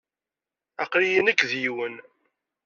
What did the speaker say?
Aql-iyi nekk d yiwen.